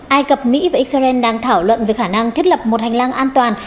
ai cập mỹ và israel đang thảo luận về khả năng thiết lập một hành lang an toàn